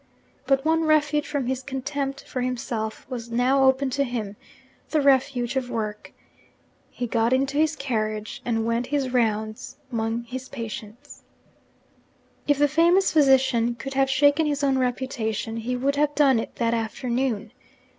But one refuge from his contempt for himself was now open to him the refuge of work. He got into his carriage and went his rounds among his patients. If the famous physician could have shaken his own reputation, he would have done it that afternoon.